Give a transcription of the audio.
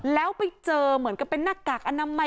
แล้วไปเจอเหมือนกับเป็นหน้ากากอนามัย